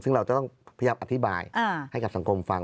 ซึ่งเราจะต้องพยายามอธิบายให้กับสังคมฟัง